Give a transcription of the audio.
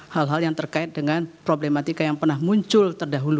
hal hal yang terkait dengan problematika yang pernah muncul terdahulu